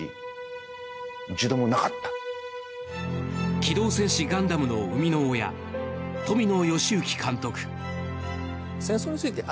「機動戦士ガンダム」の生みの親、富野由悠季監督。